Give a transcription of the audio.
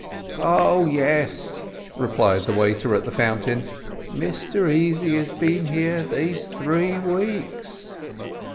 "Oh, yes," replied the waiter at the Fountain "Mr Easy has been here these three weeks."